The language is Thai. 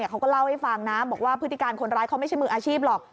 เขาก็เล่าให้ฟังนะบอกว่าพฤติการคนร้ายเขาไม่ใช่มืออาชีพหรอก